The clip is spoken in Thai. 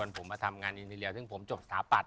ก่อนผมมาทำงานอินทรียาซึ่งผมจบสถาปัตย์